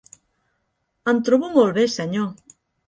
Em trobo molt bé, senyor.